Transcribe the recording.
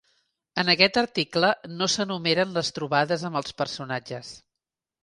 En aquest article no s'enumeren les trobades amb els personatges.